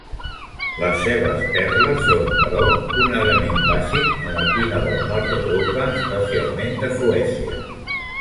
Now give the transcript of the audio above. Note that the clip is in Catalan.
Les cebes "perla" són, però, una element bàsic en la cuina del nord d'Europa, especialment de Suècia.